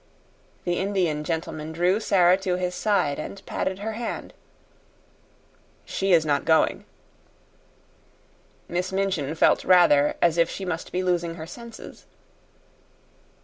The Indian gentleman drew Sara to his side and patted her hand. "She is not going." Miss Minchin felt rather as if she must be losing her senses.